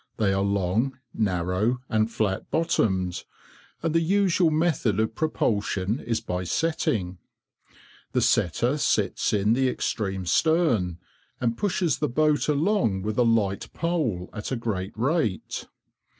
They are long, narrow, and flat bottomed, and the usual method of propulsion is by "setting." The setter sits in the extreme stern, and pushes the boat along with a light pole, at a great rate.